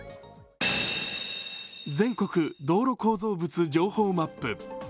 全国道路構造物情報マップ。